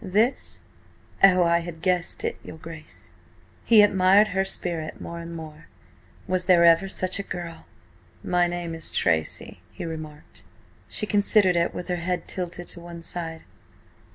"This? Oh, I guessed it, your Grace!" He admired her spirit more and more. Was there ever such a girl? "My name is Tracy," he remarked. She considered it with her head tilted to one side.